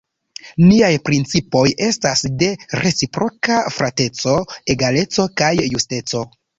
Niaj principoj estas de reciproka frateco, egaleco kaj justeco.